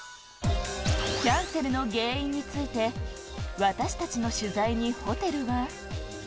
キャンセルの原因について、私たちの取材にホテルは。